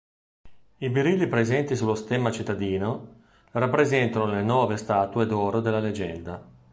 I birilli presenti sullo stemma cittadino rappresentano le nove statue d'oro della leggenda.